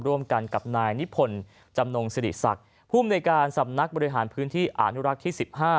ร่วมกันกับนายนิพนธ์จำนงสิริศักดิ์ภูมิในการสำนักบริหารพื้นที่อนุรักษ์ที่๑๕